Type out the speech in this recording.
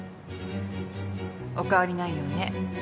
お変わりないようね